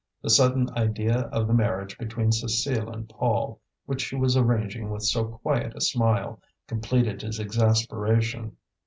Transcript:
The sudden idea of the marriage between Cécile and Paul, which she was arranging with so quiet a smile, completed his exasperation.